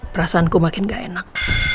perasaanku makin gak enak